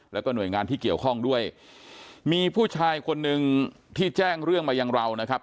แล้วก็หน่วยงานที่เกี่ยวข้องด้วยมีผู้ชายคนหนึ่งที่แจ้งเรื่องมายังเรานะครับ